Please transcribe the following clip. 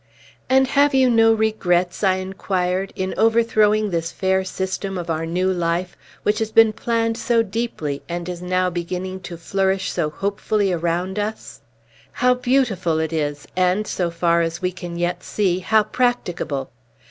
"And have you no regrets," I inquired, "in overthrowing this fair system of our new life, which has been planned so deeply, and is now beginning to flourish so hopefully around us? How beautiful it is, and, so far as we can yet see, how practicable!